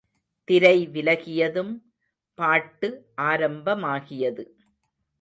திரை விலகியதும் பாட்டு ஆரம்பமாகியது.